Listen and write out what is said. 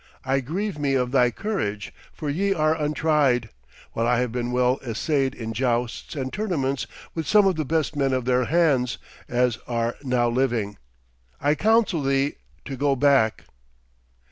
I grieve me of thy courage, for ye are untried, while I have been well essayed in jousts and tournaments with some of the best men of their hands as are now living. I counsel thee to go back.'